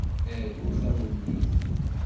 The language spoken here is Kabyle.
Arut awennit.